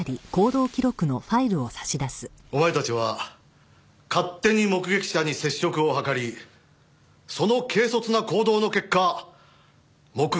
お前たちは勝手に目撃者に接触を図りその軽率な行動の結果目撃者の身が危険にさらされた。